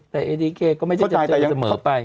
แต่เอดีเคก็ไม่ได้จะเจอเสมอไป